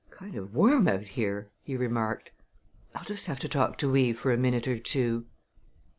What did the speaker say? "Kind of warm out here!" he remarked. "I'll just have to talk to Eve for a minute or two."